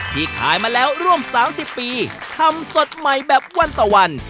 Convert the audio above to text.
ขายมาแล้วร่วม๓๐ปีทำสดใหม่แบบวันต่อวัน